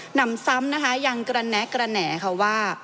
นำซ้ำนะคะยังกระแนะกระแหน่ค่ะว่า